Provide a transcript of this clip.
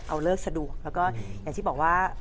แล้วก็อย่างที่บอกว่า